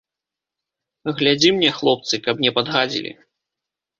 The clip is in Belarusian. Глядзі мне, хлопцы, каб не падгадзілі.